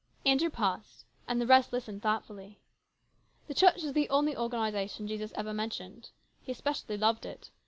Andrew paused, and the rest listened, thoughtfully. " The Church is the only organisation Jesus ever mentioned. He especially loved it.